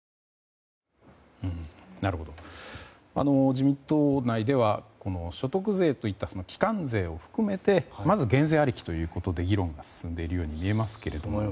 自民党内では所得税といった基幹税を含めてまず減税ありきということで議論が進んでいるように見えますけども。